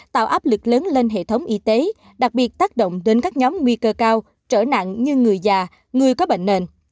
tạo áp lực lớn lên hệ thống y tế đặc biệt tác động đến các nhóm nguy cơ cao trở nặng như người già người có bệnh nền